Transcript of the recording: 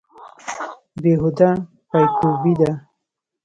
بې هوده پایکوبي ده.